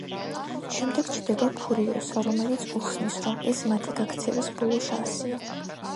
შემდეგ ჩნდება ფურიოსა, რომელიც უხსნის რომ ეს მათი გაქცევის ბოლო შანსია.